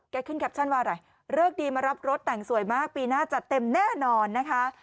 ขึ้นแคปชั่นว่าอะไรเลิกดีมารับรถแต่งสวยมากปีหน้าจัดเต็มแน่นอนนะคะ